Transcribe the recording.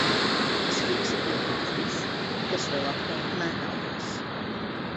Es fiksi pievācu visu, kas vēl apkārt mētājās.